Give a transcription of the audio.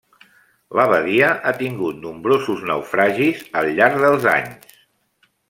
La badia ha tingut nombrosos naufragis al llarg dels anys.